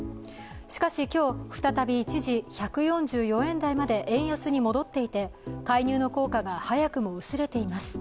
しかし、今日、再び一時１４４円台まで円安に戻っていて、介入の効果が早くも薄れています。